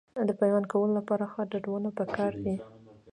د پیوند کولو لپاره ښه ډډونه پکار دي.